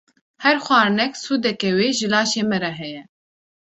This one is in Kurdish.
Her xwarinek sûdeke wê ji laşê me re heye.